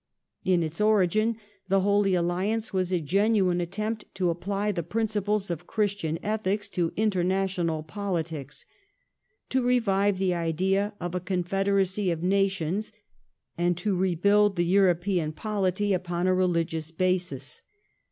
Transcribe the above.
In its origin the Holy Alliance was a genuine attempt to apply the principles of Christian ethics to international politics ; to revive the idea of a confederacy of nations and to rebuild the European polity upon a religious basis.